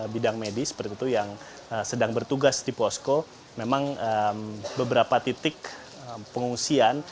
bidang medis seperti itu yang sedang bertugas di posko memang beberapa titik pengungsian